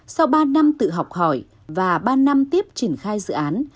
sau ba năm tự học hỏi và ba năm tiếp triển khai dự án